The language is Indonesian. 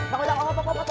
bang ojak oh oh oh oh